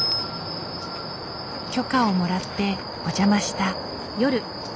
許可をもらってお邪魔した。